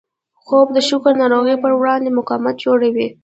خوب د شکر ناروغۍ پر وړاندې مقاومت جوړوي